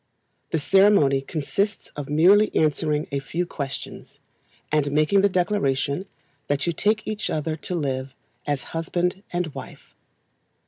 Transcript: The ceremony consists of merely answering a few questions, and making the declaration that you take each other to live as husband and wife.